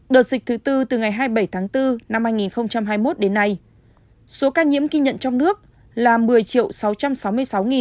đợt dịch thứ tư từ ngày hai mươi bảy tháng bốn năm hai nghìn hai mươi một đến nay số ca nhiễm ghi nhận trong nước là một mươi sáu trăm sáu mươi sáu một trăm sáu mươi năm ca